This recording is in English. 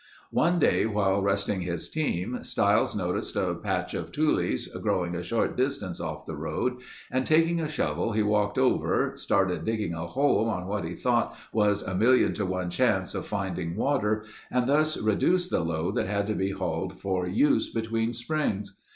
One day while resting his team, Stiles noticed a patch of tules growing a short distance off the road and taking a shovel he walked over, started digging a hole on what he thought was a million to one chance of finding water, and thus reduce the load that had to be hauled for use between springs.